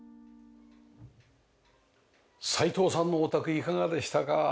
齊藤さんのお宅いかがでしたか？